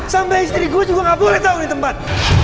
sampai istri gue juga gak boleh tau ini tempat